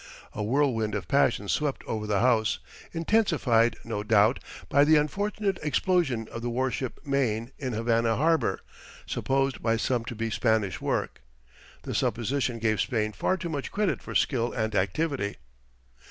A whirlwind of passion swept over the House, intensified, no doubt, by the unfortunate explosion of the warship Maine in Havana Harbor, supposed by some to be Spanish work. The supposition gave Spain far too much credit for skill and activity.